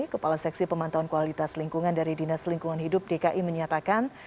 kepala seksi pemantauan kualitas lingkungan dari dinas lingkungan hidup dki menyatakan